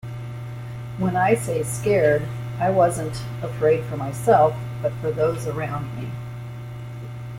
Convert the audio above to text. When I say scared, I wasn't afraid for myself, but for those around me.